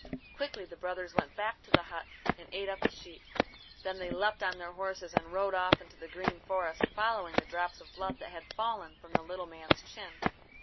Quickly the brothers went back to the hut and ate up the sheep. Then they leapt on their horses, and rode off into the green forest, following the drops of blood that had fallen from the little man's chin.